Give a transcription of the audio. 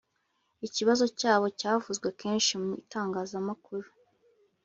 Ikibazo cyabo cyavuzwe kenshi mu itangazamakuru